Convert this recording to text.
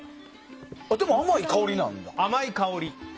でも、甘い香りになるんだ。